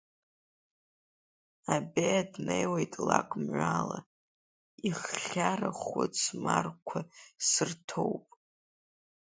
Абеиа днеиуеит лакә мҩала, иххьа рахәыц марқәа сырҭоуп.